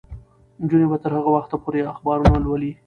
نجونې به تر هغه وخته پورې اخبارونه لولي.